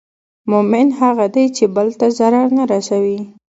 مؤمن هغه دی چې بل ته ضرر نه رسوي.